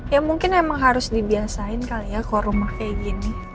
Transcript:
ya mungkin emang harus dibiasain kali ya ke rumah kayak gini